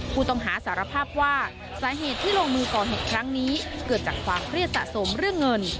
ผู้ต้องหาสารภาพว่าสาเหตุที่ลงมือก่อเหตุครั้งนี้เกิดจากความเครียดสะสมเรื่องเงิน